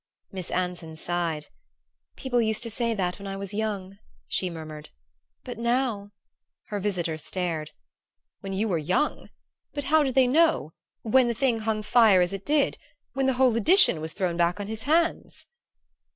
Miss Anson sighed. "People used to say that when I was young," she murmured. "But now " Her visitor stared. "When you were young? But how did they know when the thing hung fire as it did? When the whole edition was thrown back on his hands?"